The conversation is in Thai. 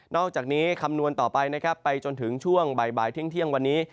อกจากนี้คำนวณต่อไปนะครับไปจนถึงช่วงบ่ายเที่ยงวันนี้